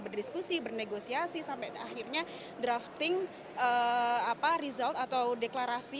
berdiskusi bernegosiasi sampai akhirnya drafting result atau deklarasi